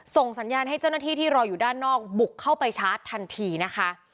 ส่งสัญญาณให้เจ้าหน้าที่ที่รออยู่ด้านนอกบุกเข้าไปชาร์จทันทีนะคะ